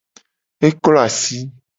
E klo asi.